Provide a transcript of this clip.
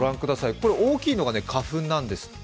大きいのが花粉なんですって。